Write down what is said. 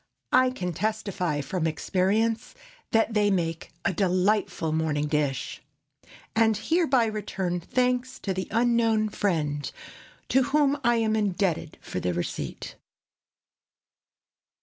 I can testify, from experience, that they make a delightful morning dish, and hereby return thanks to the unknown friend to whom I am indebted for the receipt.